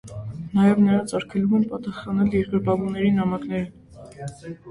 Նաև նրանց արգելում են պատասխաննել երկրպագուների նամակներին։